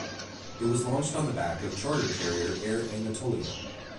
It was launched on the back of charter carrier Air Anatolia.